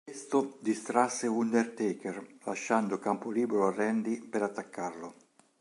Questo distrasse Undertaker lasciando campo libero a Randy per attaccarlo.